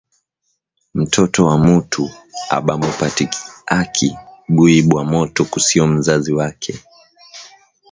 Mtoto wa mutu abamupatiaki buyi bwa moto kusio mzazi wake